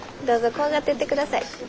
どうぞ怖がってってください。